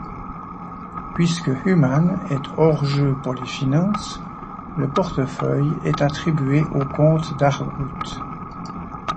Puisque Humann est hors-jeu pour les Finances, le portefeuille est attribué au comte d'Argout.